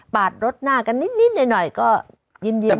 ปาดรถหน้ากันนิดนิดน้อยก็ยิน